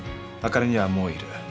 あかりにはもういる。